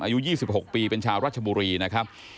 อายุ๒๖ปีเป็นชาวรัชบุรีนะครับ